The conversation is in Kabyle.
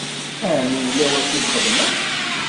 Ɛni yella wacu i txedmeḍ?